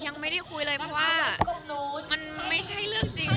ยังไม่ได้คุยเลยเพราะว่ามันไม่ใช่เรื่องจริง